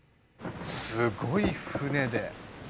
すごい船で。